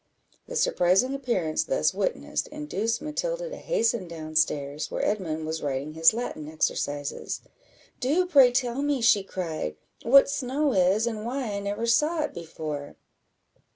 The surprising appearance thus witnessed, induced Matilda to hasten down stairs, where Edmund was writing his Latin exercise. "Do pray tell me," she cried, "what snow is, and why I never saw it before?"